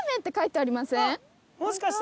もしかして？